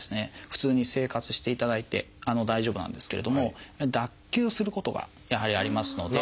普通に生活していただいて大丈夫なんですけれども脱臼することがやはりありますので。